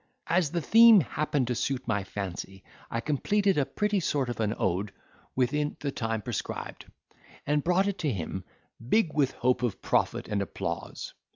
As the theme happened to suit my fancy, I completed a pretty sort of an ode within the time prescribed, and brought it to him, big with hope of profit and applause.